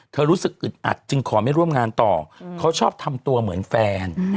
รู้สึกอึดอัดจึงขอไม่ร่วมงานต่อเขาชอบทำตัวเหมือนแฟน